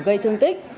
gây thương tích